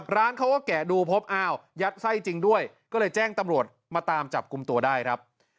ร้านเขาก็แกะดูพบอ้าวยัดไส้จริงด้วยก็เลยแจ้งตำรวจมาตามจับกลุ่มตัวได้ครับ